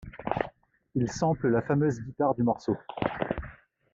Il Sample la fameuse guitare du morceau.